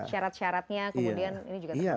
syarat syaratnya kemudian ini juga terjadi